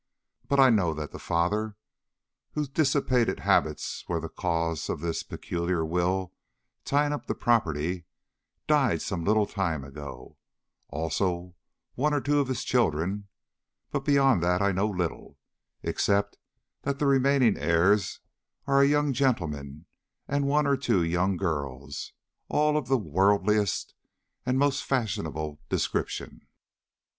But I know that the father, whose dissipated habits were the cause of this peculiar will tying up the property, died some little time ago; also one or two of his children, but beyond that I know little, except that the remaining heirs are a young gentleman and one or two young girls, all of the worldliest and most fashionable description."